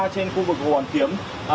trên khu vực hồ hoàn kiếm